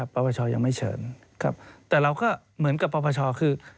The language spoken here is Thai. พระประชอยังไม่เฉินครับแต่เราก็เหมือนกับพระประชอคือ